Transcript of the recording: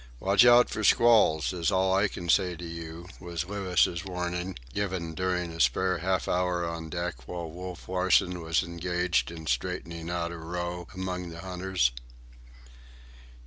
"Watch out for squalls, is all I can say to you," was Louis's warning, given during a spare half hour on deck while Wolf Larsen was engaged in straightening out a row among the hunters.